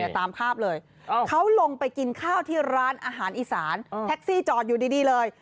ตามภาพเลยเขาลงไปกินข้าวที่ร้านอาหารอีสานแท็กซี่จอดอยู่ดีเลย